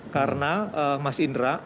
karena mas indra